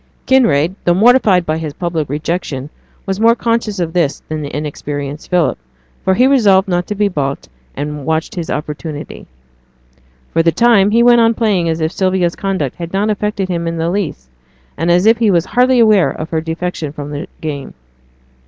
Kinraid, though mortified by his public rejection, was more conscious of this than the inexperienced Philip; he resolved not to be baulked, and watched his opportunity. For the time he went on playing as if Sylvia's conduct had not affected him in the least, and as if he was hardly aware of her defection from the game.